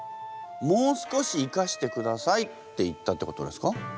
「もう少し生かしてください」って言ったってことですか？